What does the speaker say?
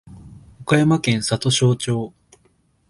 岡山県里庄町